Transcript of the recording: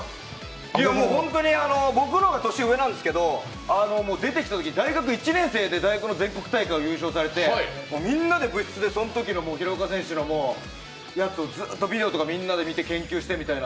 僕の方が年上なんですけれども出てきたとき、大学１年生で大学の全国大会優勝されてみんなでそのときの平岡選手のやつをビデオで見て研究してみたいな。